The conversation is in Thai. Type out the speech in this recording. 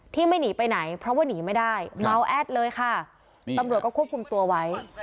ไม่หนีไปไหนเพราะว่าหนีไม่ได้เมาแอดเลยค่ะตำรวจก็ควบคุมตัวไว้